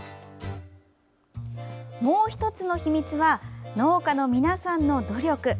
もう１つの秘密は農家の皆さんの努力。